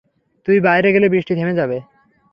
তুই বাইরে গেলে বৃষ্টি থেমে যাবে?